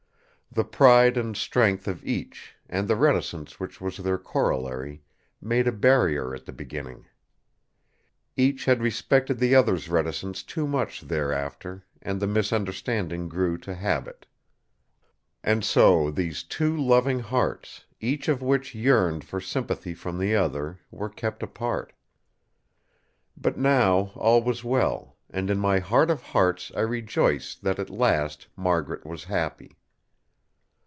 The pride and strength of each, and the reticence which was their corollary, made a barrier at the beginning. Each had respected the other's reticence too much thereafter; and the misunderstanding grew to habit. And so these two loving hearts, each of which yearned for sympathy from the other, were kept apart. But now all was well, and in my heart of hearts I rejoiced that at last Margaret was happy.